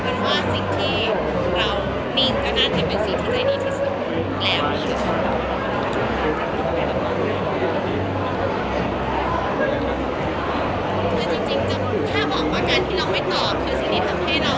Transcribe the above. มันไม่ได้มันไม่ได้คือการคุยไม่ได้ทำให้อะไรเนี่ย